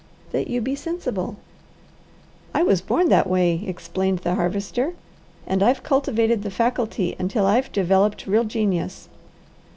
"That you be sensible." "I was born that way," explained the Harvester, "and I've cultivated the faculty until I've developed real genius.